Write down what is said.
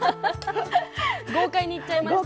豪快にいっちゃいました。